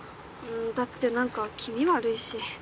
だって何か気味悪いし。